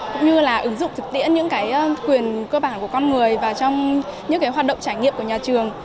cũng như là ứng dụng thực tiễn những quyền cơ bản của con người và trong những hoạt động trải nghiệm của nhà trường